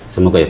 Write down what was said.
semoga ya pak